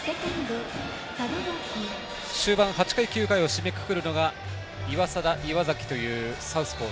終盤、８回、９回を締めくくるのが岩貞、岩崎というサウスポー。